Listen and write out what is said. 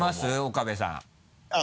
岡部さん。